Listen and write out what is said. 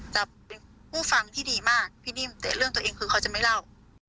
จะเป็นผู้ฟังที่ดีมากพี่นิ่มแต่เรื่องตัวเองคือเขาจะไม่เล่า